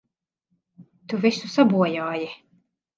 Tu visu sabojāji!